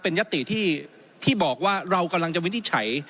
เป็นยติที่บอกว่าเรากำลังจะวินิจฉัย